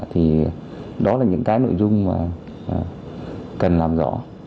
thì đó là những cái nội dung mà cần làm rõ